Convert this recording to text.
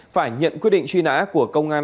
phải nhận quyết định truy nã của công an